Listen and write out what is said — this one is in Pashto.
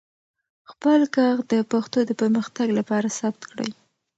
خپل ږغ د پښتو د پرمختګ لپاره ثبت کړئ.